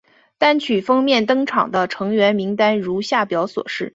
单曲封面登场的成员名单如下表所示。